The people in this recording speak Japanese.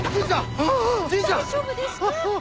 大丈夫ですか？